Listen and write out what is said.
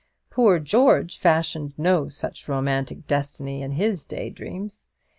Poor George fashioned no such romantic destiny in his day dreams.